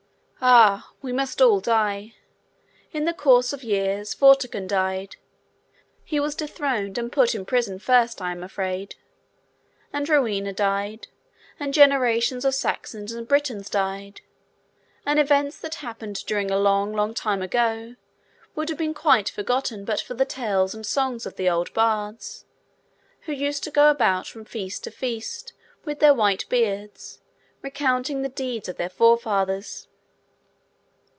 Ah! We must all die! In the course of years, Vortigern died—he was dethroned, and put in prison, first, I am afraid; and Rowena died; and generations of Saxons and Britons died; and events that happened during a long, long time, would have been quite forgotten but for the tales and songs of the old Bards, who used to go about from feast to feast, with their white beards, recounting the deeds of their forefathers.